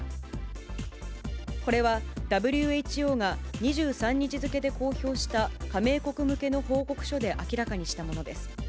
これは、ＷＨＯが２３日付で公表した加盟国向けの報告書で明らかにしたものです。